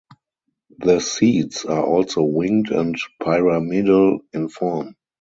The seeds are also winged and pyramidal (in form).